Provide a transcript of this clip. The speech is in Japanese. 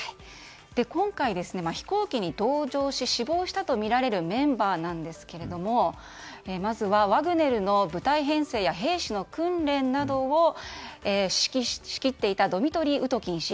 今回、飛行機に同乗し死亡したとみられるメンバーですがまずはワグネルの部隊編成や兵士の訓練などを仕切っていたドミトリー・ウトキン氏。